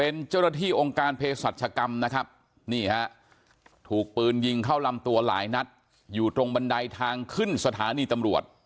นี่ครับถูกปืนยิงเข้าลำตัวหลายนัดอยู่ตรงบันไดทางขึ้นสถานีตำรวจ